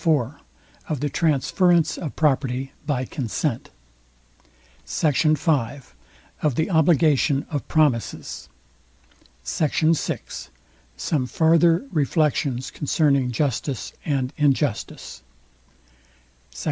IV OF THE TRANSFERENCE OF PROPERTY BY CONSENT SECT. V OF THE OBLIGATION OF PROMISES SECT. VI SOME FARTHER REFLECTIONS CONCERNING JUSTICE AND INJUSTICE SECT.